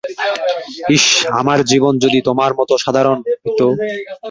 ইশশ, আমার জীবন যদি তোমার মতো সাধারণ হতো?